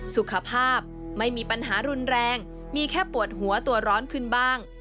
สุขภาพไม่มีปัญหารุนแรงมีแค่ปวดหัวตัวร้อนขึ้นบ้าง